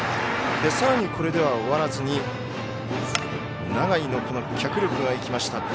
さらに、これでは終わらずに永井の脚力が生きました。